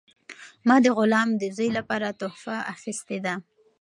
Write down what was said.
ما د غلام د زوی لپاره تحفه اخیستې ده.